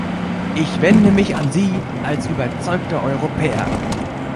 Ich wende mich an Sie als überzeugte Europäer.